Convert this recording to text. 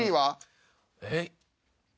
えっ。